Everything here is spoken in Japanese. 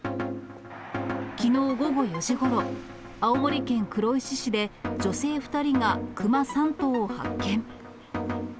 きのう午後４時ごろ、青森県黒石市で、女性２人が熊３頭を発見。